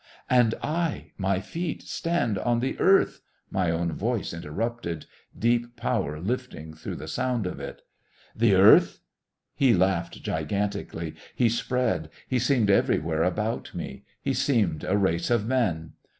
"And I my feet stand on the Earth," my own voice interrupted, deep power lifting through the sound of it. "The Earth!" He laughed gigantically. He spread. He seemed everywhere about me. He seemed a race of men.